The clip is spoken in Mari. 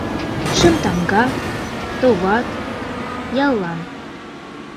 Шем тамга, товат, яллан.